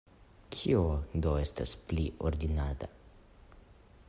Kio do estas pli ordinara?